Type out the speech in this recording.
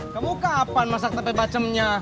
kamu kapan masak tepi pacemnya